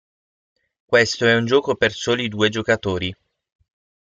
Questo è un gioco per soli due giocatori.